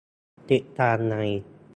ติดตามใน